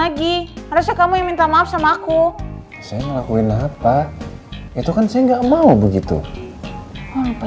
yang bukan kemauan saya itu kau mau minta maaf sama aku iya saya kan tadi saya sia mah bukannya sama aku ready side followersures thanks believe me but that's the way trust boy siap dan bor